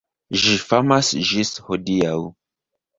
Ĝi famas ĝis hodiaŭ.